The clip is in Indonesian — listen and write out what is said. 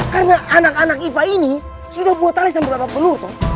karena anak anak ipa ini sudah buat alisan berlapak pelur toh